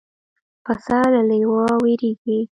پسه له لېوه وېرېږي.